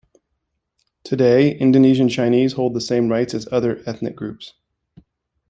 Today, Indonesian Chinese hold the same rights as other ethnic groups.